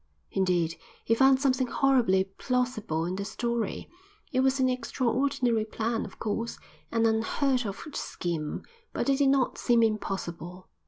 Indeed, he found something horribly plausible in the story. It was an extraordinary plan, of course; an unheard of scheme; but it did not seem impossible.